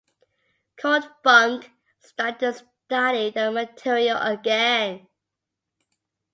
Cordfunke started to study the material again.